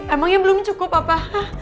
emangnya belum cukup apa